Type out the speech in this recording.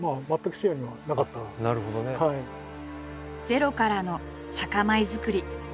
ゼロからの酒米作り。